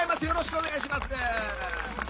よろしくお願いします。